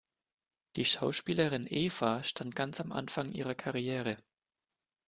Die Schauspielerin Eva stand ganz am Anfang ihrer Karriere.